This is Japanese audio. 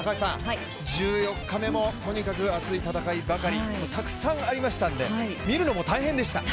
１４日目もとにかく熱い戦いばかりたくさんありましたので見るのも大変でした。